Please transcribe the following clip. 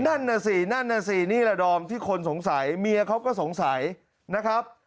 นั่นน่ะสินั่นน่ะสินี่แหละดอมที่คนสงสัยเมียเขาก็สงสัยนะครับ